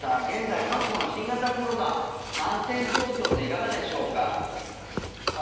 現在、韓国の新型コロナ感染状況っていかがでしょうか。